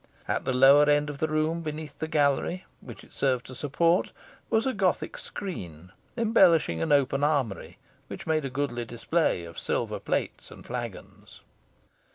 At the lower end of the room, beneath the gallery, which it served to support, was a Gothic screen, embellishing an open armoury, which made a grand display of silver plates and flagons.